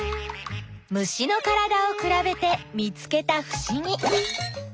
虫のからだをくらべて見つけたふしぎ。